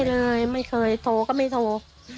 ไม่เลยไม่เคยโทรก็ไม่โทร